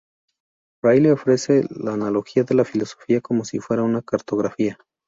Ryle ofrece la analogía de la filosofía como si fuera una cartografía.